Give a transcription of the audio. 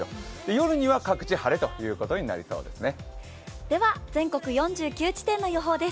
夜には各地、晴れということになりそうですね。